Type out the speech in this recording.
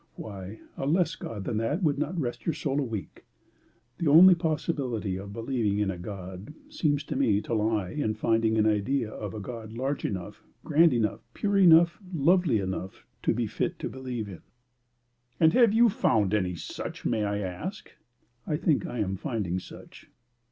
Why, a less God than that would not rest your soul a week. The only possibility of believing in a God seems to me to lie in finding an idea of a God large enough, grand enough, pure enough, lovely enough to be fit to believe in." "And have you found such may I ask?" "I think I am finding such."